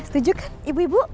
setuju kan ibu ibu